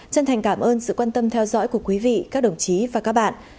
chân thành cảm ơn sự quan tâm theo dõi của quý vị các đồng chí và các bạn